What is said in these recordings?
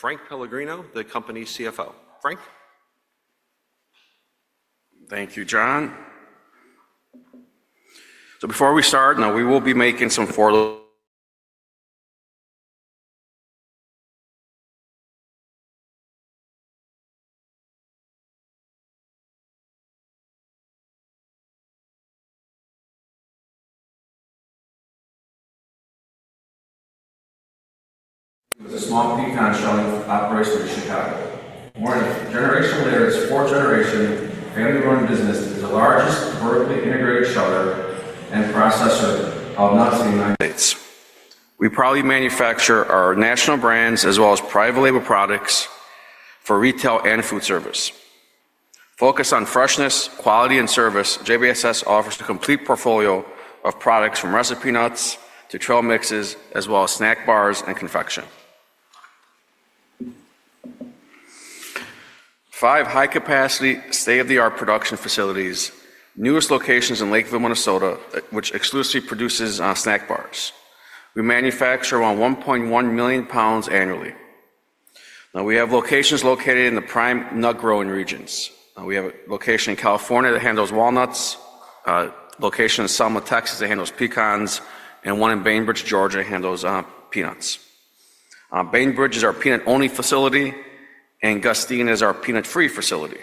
Frank Pellegrino, the company CFO. Frank. Thank you, John. Before we start, now we will be making some four. It's a small pecan shell operation in Chicago. Morning, generation leaders, fourth generation, family-run business is the largest vertically integrated sheller and processor of nuts. States. We proudly manufacture our national brands as well as private label products for retail and food service. Focused on freshness, quality, and service, JBSS offers a complete portfolio of products from recipe nuts to trail mixes as well as snack bars and confection. Five high-capacity, state-of-the-art production facilities, newest locations in Lakeview, Minnesota, which exclusively produces snack bars. We manufacture around 1.1 million lbs annually. Now we have locations located in the prime nut-growing regions. We have a location in California that handles walnuts, a location in Selma, Texas that handles pecans, and one in Bainbridge, Georgia that handles peanuts. Bainbridge is our peanut-only facility, and Gustine is our peanut-free facility.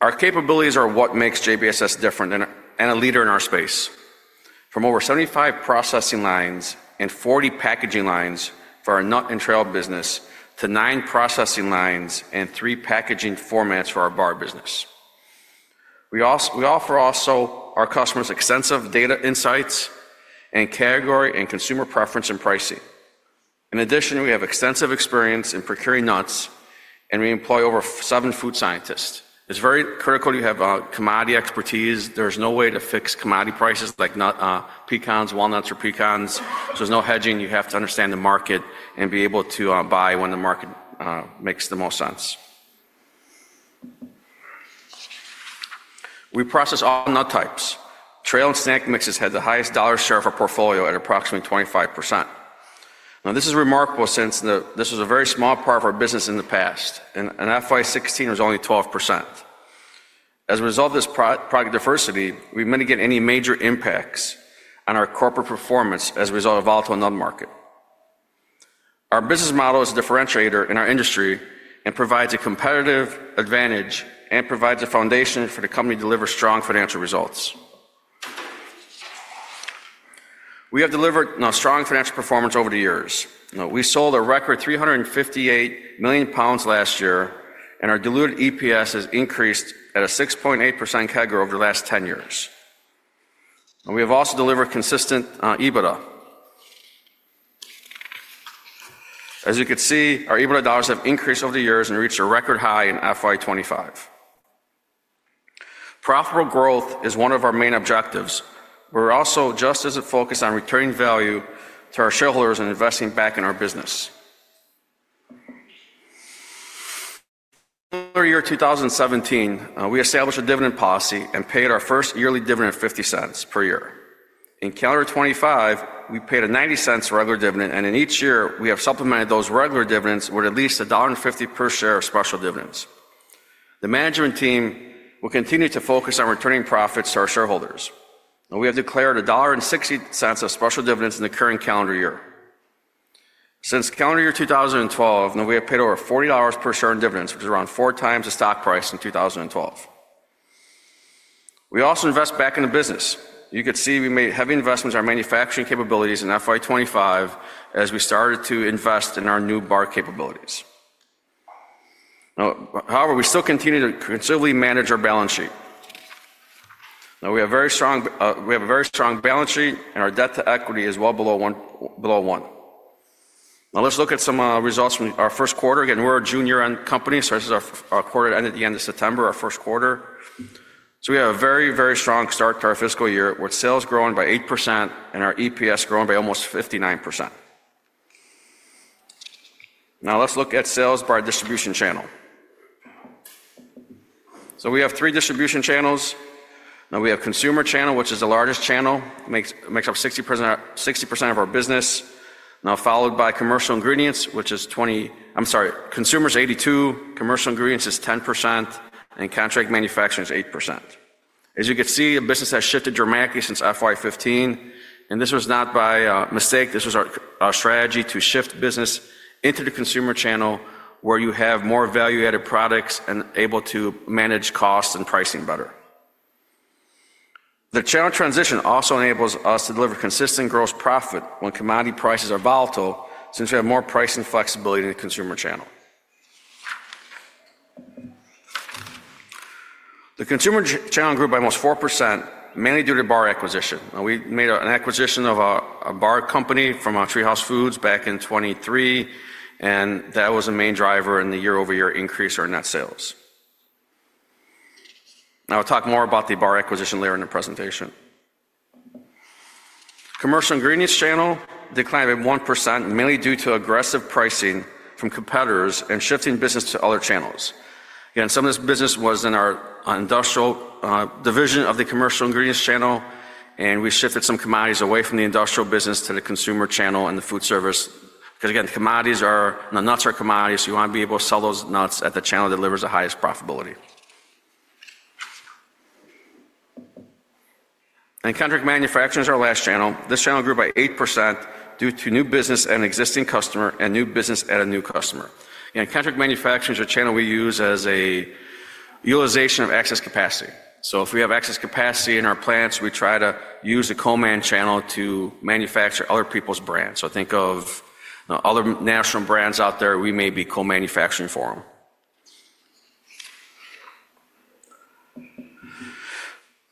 Our capabilities are what makes JBSS different and a leader in our space. From over 75 processing lines and 40 packaging lines for our nut and trail business to nine processing lines and three packaging formats for our bar business. We offer also our customers extensive data insights and category and consumer preference and pricing. In addition, we have extensive experience in procuring nuts, and we employ over seven food scientists. It's very critical you have commodity expertise. There's no way to fix commodity prices like pecans, walnuts, or pecans. So there's no hedging. You have to understand the market and be able to buy when the market makes the most sense. We process all nut types. Trail and snack mixes have the highest dollar share of our portfolio at approximately 25%. Now this is remarkable since this was a very small part of our business in the past, and FY2016 was only 12%. As a result of this product diversity, we mitigate any major impacts on our corporate performance as a result of volatile nut market. Our business model is a differentiator in our industry and provides a competitive advantage and provides a foundation for the company to deliver strong financial results. We have delivered strong financial performance over the years. We sold a record 358 million lbs last year, and our diluted EPS has increased at a 6.8% category over the last 10 years. We have also delivered consistent EBITDA. As you can see, our EBITDA dollars have increased over the years and reached a record high in FY 2025. Profitable growth is one of our main objectives. We're also just as focused on returning value to our shareholders and investing back in our business. In the year 2017, we established a dividend policy and paid our first yearly dividend of $0.50 per year. In calendar 2025, we paid a $0.90 regular dividend, and in each year, we have supplemented those regular dividends with at least $1.50 per share of special dividends. The management team will continue to focus on returning profits to our shareholders. We have declared $1.60 of special dividends in the current calendar year. Since calendar year 2012, we have paid over $40 per share in dividends, which is around four times the stock price in 2012. We also invest back in the business. You can see we made heavy investments in our manufacturing capabilities in FY2025 as we started to invest in our new bar capabilities. However, we still continue to conservatively manage our balance sheet. Now we have a very strong balance sheet, and our debt to equity is well below one. Now let's look at some results from our first quarter. Again, we're a June year-end company, so this is our quarter ended at the end of September, our first quarter. We have a very, very strong start to our fiscal year with sales growing by 8% and our EPS growing by almost 59%. Now let's look at sales by distribution channel. We have three distribution channels. We have consumer channel, which is the largest channel, makes up 60% of our business, now followed by commercial ingredients, which is 20%, I'm sorry, consumer is 82%, commercial ingredients is 10%, and contract manufacturing is 8%. As you can see, the business has shifted dramatically since FY15, and this was not by mistake. This was our strategy to shift business into the consumer channel where you have more value-added products and able to manage costs and pricing better. The channel transition also enables us to deliver consistent gross profit when commodity prices are volatile since we have more pricing flexibility in the consumer channel. The consumer channel grew by almost 4%, mainly due to bar acquisition. We made an acquisition of a bar company from TreeHouse Foods back in 2023, and that was a main driver in the year-over-year increase in our net sales. Now I'll talk more about the bar acquisition later in the presentation. Commercial ingredients channel declined by 1%, mainly due to aggressive pricing from competitors and shifting business to other channels. Again, some of this business was in our industrial division of the commercial ingredients channel, and we shifted some commodities away from the industrial business to the consumer channel and the food service because, again, the commodities are the nuts are commodities, so you want to be able to sell those nuts at the channel that delivers the highest profitability. Contract manufacturing is our last channel. This channel grew by 8% due to new business and existing customer and new business at a new customer. Contract manufacturing is a channel we use as a utilization of excess capacity. If we have excess capacity in our plants, we try to use the co-man channel to manufacture other people's brands. Think of other national brands out there. We may be co-manufacturing for them.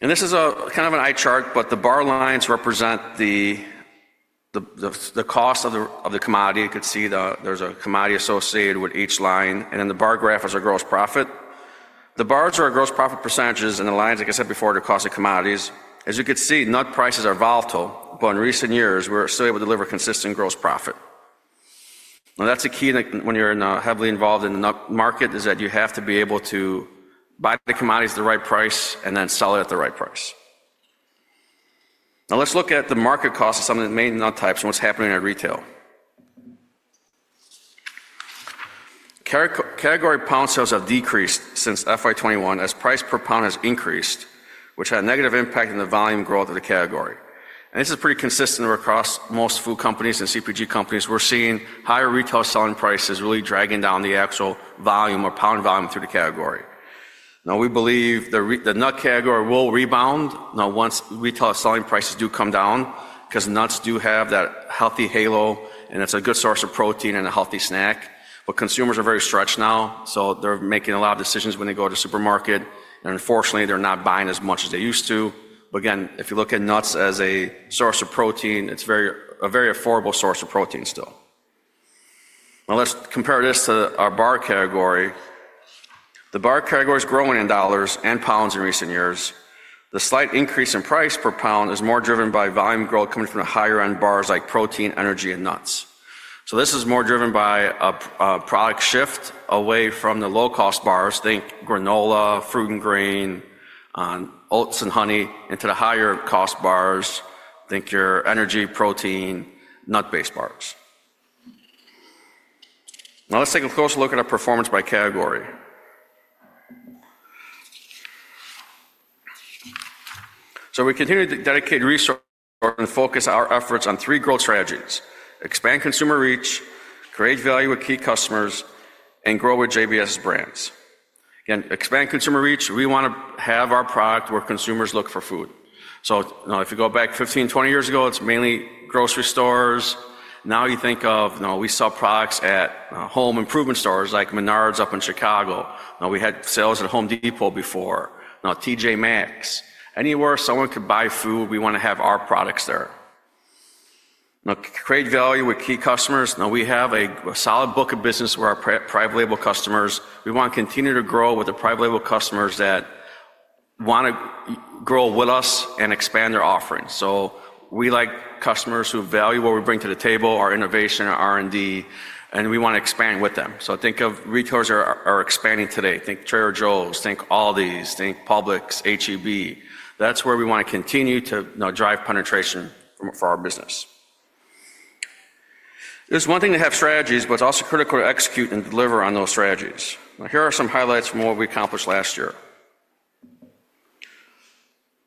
This is kind of an eye chart, but the bar lines represent the cost of the commodity. You can see there's a commodity associated with each line, and then the bar graph is our gross profit. The bars are our gross profit percentages, and the lines, like I said before, are the cost of commodities. As you can see, nut prices are volatile, but in recent years, we're still able to deliver consistent gross profit. Now that's a key when you're heavily involved in the nut market is that you have to be able to buy the commodities at the right price and then sell it at the right price. Now let's look at the market cost of some of the main nut types and what's happening in retail. Category pound sales have decreased since FY2021 as price per pound has increased, which had a negative impact on the volume growth of the category. This is pretty consistent across most food companies and CPG companies. We're seeing higher retail selling prices really dragging down the actual volume or pound volume through the category. We believe the nut category will rebound once retail selling prices do come down because nuts do have that healthy halo, and it's a good source of protein and a healthy snack. Consumers are very stretched now, so they're making a lot of decisions when they go to the supermarket, and unfortunately, they're not buying as much as they used to. Again, if you look at nuts as a source of protein, it's a very affordable source of protein still. Now let's compare this to our bar category. The bar category is growing in dollars and pounds in recent years. The slight increase in price per pound is more driven by volume growth coming from the higher-end bars like protein, energy, and nuts. This is more driven by a product shift away from the low-cost bars, think granola, fruit and grain, oats, and honey, into the higher-cost bars, think your energy, protein, nut-based bars. Now let's take a closer look at our performance by category. We continue to dedicate resources and focus our efforts on three growth strategies: expand consumer reach, create value with key customers, and grow with JBSS brands. Again, expand consumer reach, we want to have our product where consumers look for food. If you go back 15, 20 years ago, it's mainly grocery stores. Now you think of, we sell products at home improvement stores like Menards up in Chicago. Now we had sales at Home Depot before, now T.J.Maxx. Anywhere someone could buy food, we want to have our products there. Now create value with key customers. Now we have a solid book of business with our private label customers. We want to continue to grow with the private label customers that want to grow with us and expand their offering. We like customers who value what we bring to the table, our innovation, our R&D, and we want to expand with them. Think of retailers that are expanding today. Think Trader Joe's, think Aldi's, think Publix, H-E-B. That's where we want to continue to drive penetration for our business. It's one thing to have strategies, but it's also critical to execute and deliver on those strategies. Here are some highlights from what we accomplished last year.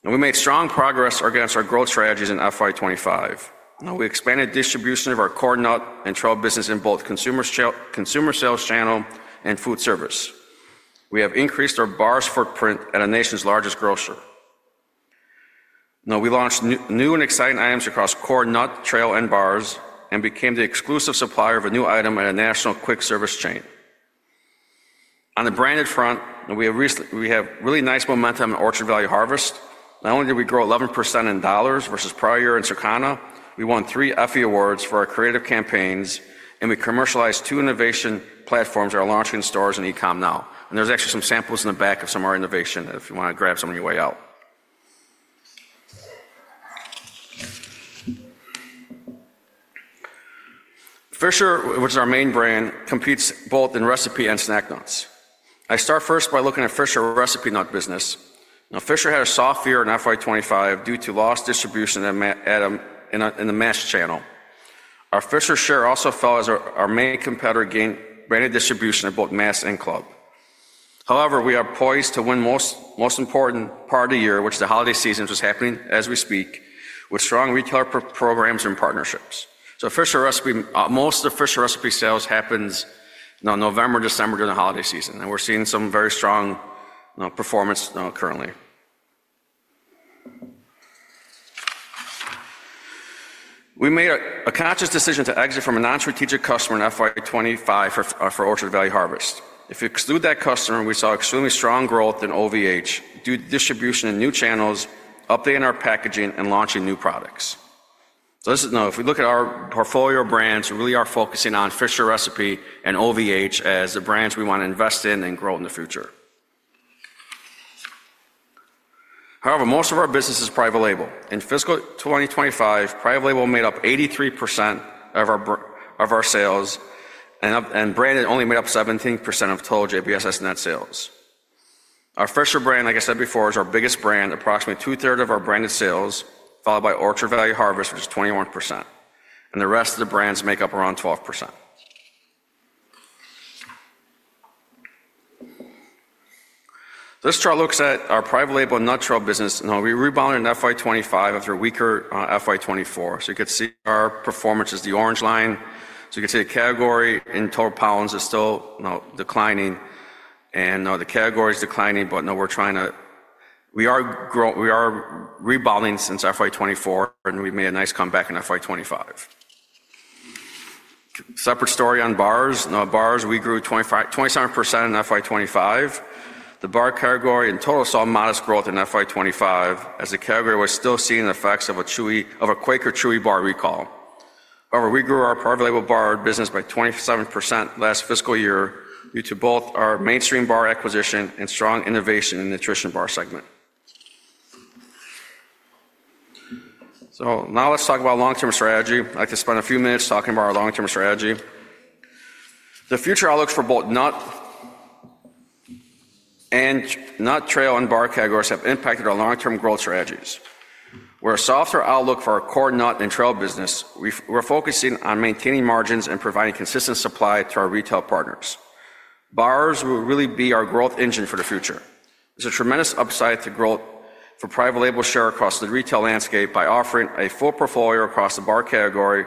Now we made strong progress against our growth strategies in FY2025. We expanded distribution of our core nut and trail business in both consumer sales channel and food service. We have increased our bars footprint at our nation's largest grocer. We launched new and exciting items across core nut, trail, and bars and became the exclusive supplier of a new item at a national quick service chain. On the branded front, we have really nice momentum in Orchard Valley Harvest. Not only did we grow 11% in dollars versus prior year in Circana, we won three Effie Awards for our creative campaigns, and we commercialized two innovation platforms that are launching in stores and e-com now. There are actually some samples in the back of some of our innovation if you want to grab some on your way out. Fisher, which is our main brand, competes both in recipe and snack nuts. I start first by looking at Fisher recipe nut business. Now Fisher had a soft year in FY2025 due to lost distribution in the mass channel. Our Fisher share also fell as our main competitor gained branded distribution in both mass and club. However, we are poised to win most important part of the year, which is the holiday season, which is happening as we speak with strong retailer programs and partnerships. Most of the Fisher recipe sales happens now November, December during the holiday season, and we're seeing some very strong performance currently. We made a conscious decision to exit from a non-strategic customer in FY2025 for Orchard Valley Harvest. If we exclude that customer, we saw extremely strong growth in OVH due to distribution in new channels, updating our packaging, and launching new products. If we look at our portfolio of brands, we really are focusing on Fisher recipe and OVH as the brands we want to invest in and grow in the future. However, most of our business is private label. In fiscal 2025, private label made up 83% of our sales, and branded only made up 17% of total JBSS net sales. Our Fisher brand, like I said before, is our biggest brand. Approximately two-thirds of our branded sales, followed by Orchard Valley Harvest, which is 21%. The rest of the brands make up around 12%. This chart looks at our private label nut trail business. We rebounded in FY2025 after a weaker FY2024. You can see our performance is the orange line. You can see the category in total pounds is still declining, and the category is declining, but now we're trying to rebound since FY2024, and we've made a nice comeback in FY2025. Separate story on bars. Now bars, we grew 27% in FY2025. The bar category in total saw modest growth in FY2025 as the category was still seeing the effects of a Quaker Chewy bar recall. However, we grew our private label bar business by 27% last fiscal year due to both our mainstream bar acquisition and strong innovation in the nutrition bar segment. Now let's talk about long-term strategy. I'd like to spend a few minutes talking about our long-term strategy. The future outlooks for both nut and nut trail and bar categories have impacted our long-term growth strategies. With a softer outlook for our core nut and trail business, we're focusing on maintaining margins and providing consistent supply to our retail partners. Bars will really be our growth engine for the future. It's a tremendous upside to growth for private label share across the retail landscape by offering a full portfolio across the bar category,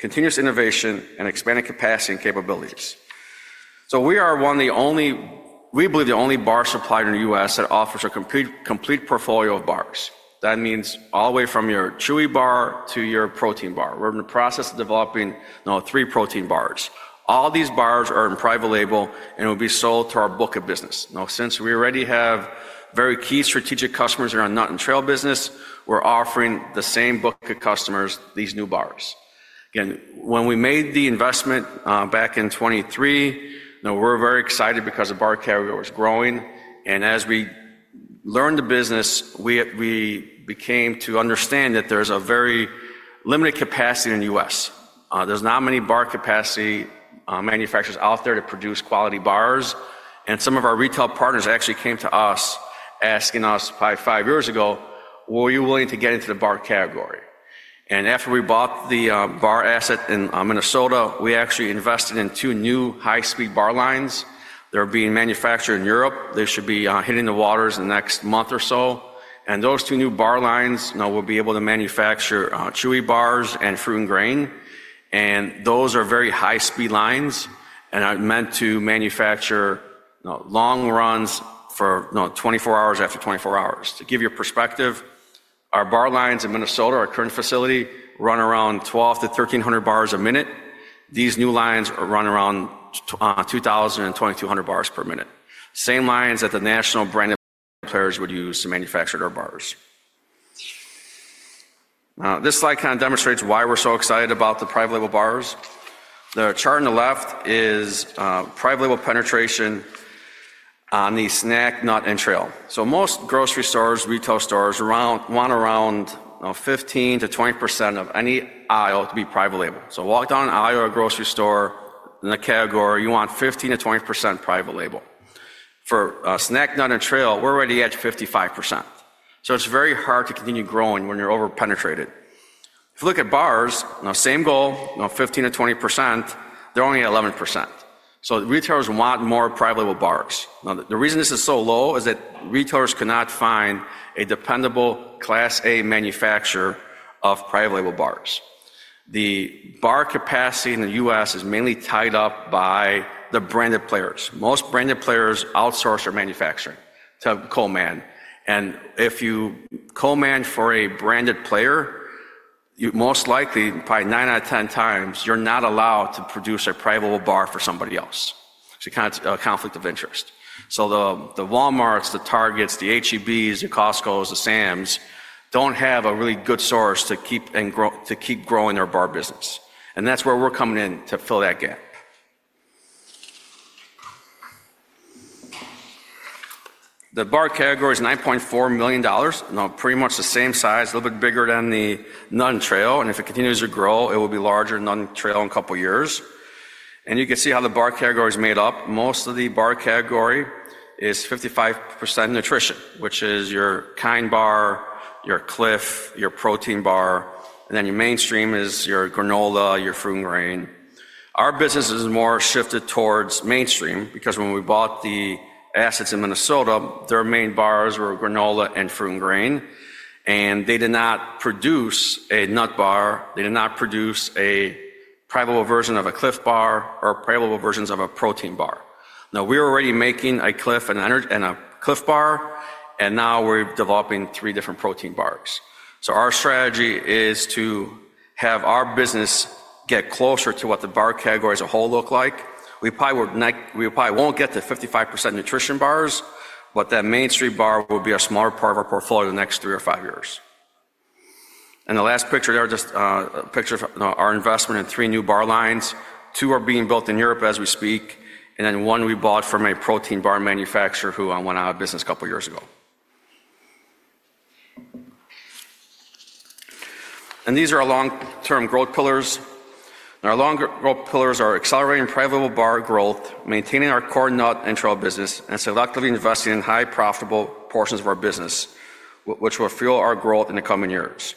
continuous innovation, and expanding capacity and capabilities. We are one of the only, we believe the only bar supplier in the U.S. that offers a complete portfolio of bars. That means all the way from your Chewy bar to your protein bar. We're in the process of developing three protein bars. All these bars are in private label, and it will be sold to our book of business. Now, since we already have very key strategic customers in our nut and trail business, we're offering the same book of customers these new bars. Again, when we made the investment back in 2023, we were very excited because the bar category was growing. As we learned the business, we came to understand that there's a very limited capacity in the U.S. There's not many bar capacity manufacturers out there to produce quality bars. Some of our retail partners actually came to us asking us five years ago, "Were you willing to get into the bar category?" After we bought the bar asset in Minnesota, we actually invested in two new high-speed bar lines. They're being manufactured in Europe. They should be hitting the waters in the next month or so. Those two new bar lines will be able to manufacture Chewy bars and fruit and grain. Those are very high-speed lines and are meant to manufacture long runs for 24 hours after 24 hours. To give you a perspective, our bar lines in Minnesota, our current facility, run around 1,200 to 1,300 bars a minute. These new lines run around 2,000 bars-2,200 bars per minute. Same lines that the national branded players would use to manufacture their bars. This slide kind of demonstrates why we're so excited about the private label bars. The chart on the left is private label penetration on the snack, nut, and trail. Most grocery stores, retail stores want around 15%-20% of any aisle to be private label. Walk down an aisle of a grocery store in the category, you want 15%-20% private label. For snack, nut, and trail, we're already at 55%. It is very hard to continue growing when you're over-penetrated. If you look at bars, now same goal, 15%-20%, they're only at 11%. Retailers want more private label bars. The reason this is so low is that retailers cannot find a dependable class A manufacturer of private label bars. The bar capacity in the U.S. is mainly tied up by the branded players. Most branded players outsource their manufacturing to co-man. If you co-man for a branded player, most likely, probably 9 out of 10 times, you're not allowed to produce a private label bar for somebody else. It is a kind of conflict of interest. The Walmarts, the Targets, the H-E-Bs, the Costcos, the Sam's do not have a really good source to keep growing their bar business. That's where we're coming in to fill that gap. The bar category is $9.4 million. Now, pretty much the same size, a little bit bigger than the nut and trail. If it continues to grow, it will be larger than the nut and trail in a couple of years. You can see how the bar category is made up. Most of the bar category is 55% nutrition, which is your KIND bar, your Clif, your protein bar, and then your mainstream is your granola, your fruit and grain. Our business is more shifted towards mainstream because when we bought the assets in Minnesota, their main bars were granola and fruit and grain. They did not produce a nut bar. They did not produce a private label version of a Clif Bar or private label versions of a protein bar. Now, we're already making a Clif and a Clif Bar, and now we're developing three different protein bars. Our strategy is to have our business get closer to what the bar category as a whole looks like. We probably won't get to 55% nutrition bars, but that mainstream bar will be a smaller part of our portfolio in the next three or five years. The last picture there is just a picture of our investment in three new bar lines. Two are being built in Europe as we speak, and one we bought from a protein bar manufacturer who went out of business a couple of years ago. These are our long-term growth pillars. Our long-term growth pillars are accelerating private label bar growth, maintaining our core nut and trail business, and selectively investing in high-profitable portions of our business, which will fuel our growth in the coming years.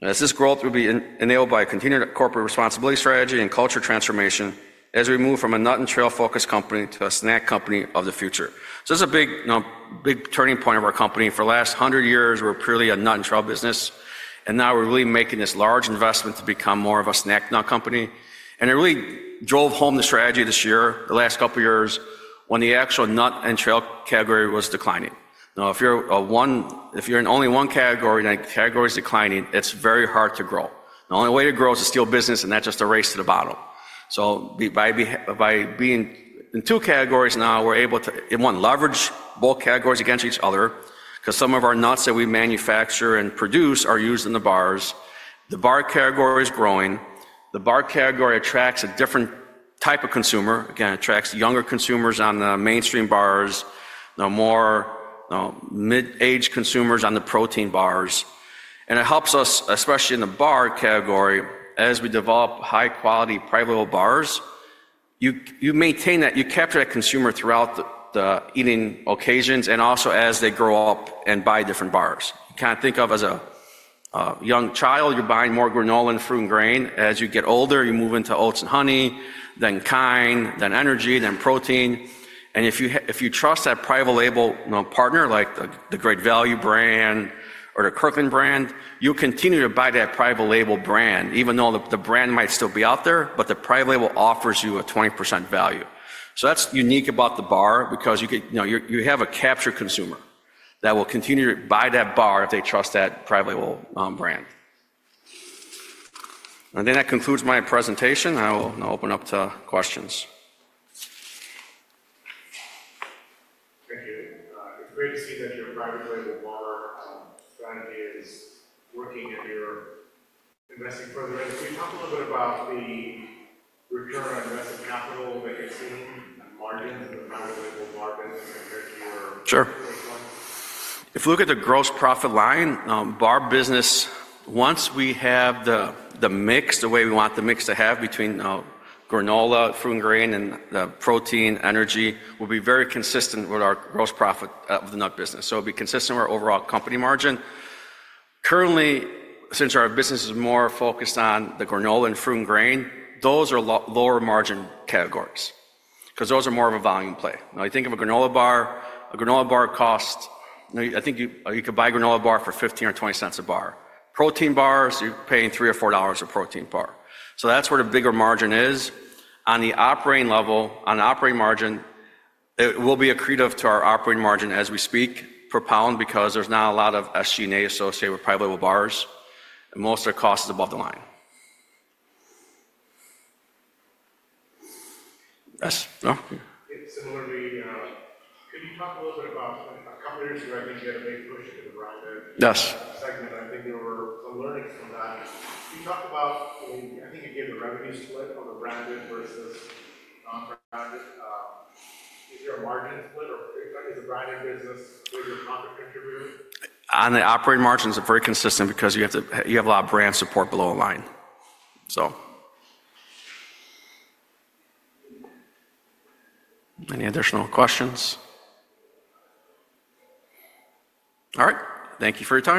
This growth will be enabled by a continued corporate responsibility strategy and culture transformation as we move from a nut and trail-focused company to a snack company of the future. This is a big turning point of our company. For the last 100 years, we were purely a nut and trail business, and now we're really making this large investment to become more of a snack nut company. It really drove home the strategy this year, the last couple of years, when the actual nut and trail category was declining. Now, if you're in only one category and the category is declining, it's very hard to grow. The only way to grow is to steal business and not just to race to the bottom. By being in two categories now, we're able to, one, leverage both categories against each other because some of our nuts that we manufacture and produce are used in the bars. The bar category is growing. The bar category attracts a different type of consumer. Again, it attracts younger consumers on the mainstream bars, more mid-age consumers on the protein bars. It helps us, especially in the bar category, as we develop high-quality private label bars. You maintain that; you capture that consumer throughout the eating occasions and also as they grow up and buy different bars. You kind of think of as a young child, you're buying more granola and fruit and grain. As you get older, you move into oats and honey, then KIND, then energy, then protein. If you trust that private label partner, like the Great Value brand or the Kirkland brand, you continue to buy that private label brand, even though the brand might still be out there, but the private label offers you a 20% value. That is unique about the bar because you have a captured consumer that will continue to buy that bar if they trust that private label brand. That concludes my presentation. I'll open up to questions. Thank you. It's great to see that your private label bar strategy is working and you're investing further in. Can you talk a little bit about the return on invested capital that you're seeing and margins in the private label bar business compared to your first one? Sure. If we look at the gross profit line, bar business, once we have the mix, the way we want the mix to have between granola, fruit and grain, and the protein, energy will be very consistent with our gross profit of the nut business. It will be consistent with our overall company margin. Currently, since our business is more focused on the granola and fruit and grain, those are lower margin categories because those are more of a volume play. Now, you think of a granola bar, a granola bar cost, I think you could buy a granola bar for $0.15 or $0.20 a bar. Protein bars, you're paying $3 or $4 a protein bar. That's where the bigger margin is. On the operating level, on the operating margin, it will be accretive to our operating margin as we speak per pound because there's not a lot of SG&A associated with private label bars. Most of the cost is above the line. Yes. Similarly, can you talk a little bit about a couple of years ago, I think you had a big push in the branded segment. I think there were some learnings from that. Can you talk about, I think you gave the revenue split on the branded versus non-branded? Is there a margin split or is the branded business a bigger profit contributor? On the operating margins, they're very consistent because you have a lot of brand support below the line. Any additional questions? All right. Thank you for the chat.